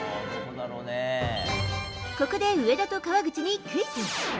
ここで上田と川口にクイズ。